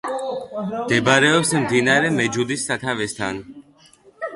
მდებარეობს მდინარე მეჯუდის სათავესთან.